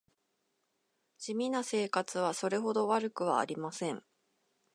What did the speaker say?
地味な生活はそれほど悪くはありません